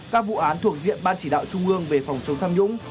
các vụ án thuộc diện ban chỉ đạo trung ương về phòng chống tham nhũng